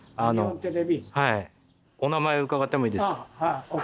はいお名前伺ってもいいですか？